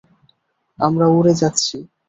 আমরা উড়ে যাচ্ছি!